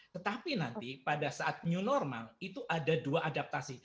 kepada ber granting syarat tahun baru ini negara arab melakukan sesuatu lah ini adalah